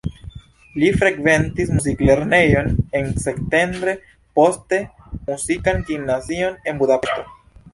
Li frekventis muziklernejon en Szentendre, poste muzikan gimnazion en Budapeŝto.